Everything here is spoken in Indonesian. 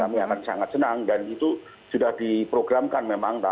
jadi saya sangat senang dan itu sudah diprogramkan memang